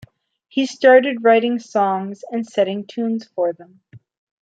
He started writing songs and setting tunes for them.